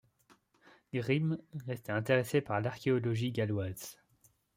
Grimes restait intéressé par l'archéologie galloise.